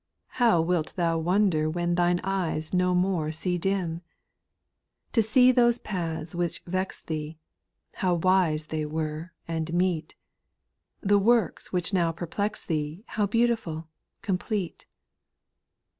How wilt thou wonder when Thine eyes no more see dim, To see those paths which vex thee, How wise they were and meet ; The works which now perplex thee How beautiful, complete